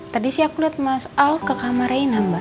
tadi sih aku lihat mas al ke kamar reina mbak